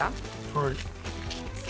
はい。